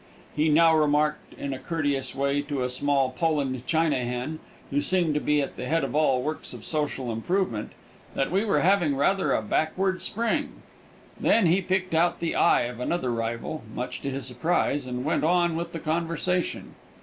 He now remarked in a courteous way to a small Poland China hen, who seemed to be at the head of all works of social improvement, that we were having rather a backward spring. Then he picked out the eye of another rival, much to his surprise, and went on with the conversation.